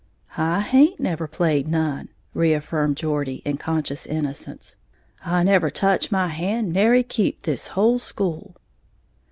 "I haint never played none," reaffirmed Geordie, in conscious innocence; "I never toch my hand to nary keep this whole school!"